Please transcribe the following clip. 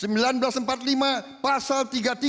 kami berdasar seribu sembilan ratus empat puluh lima pasal tiga tiga